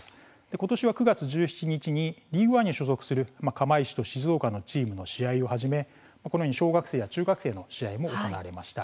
今年は９月１７日にリーグワンに所属する釜石と静岡のチームの試合をはじめ小学生や中学生の試合も行われました。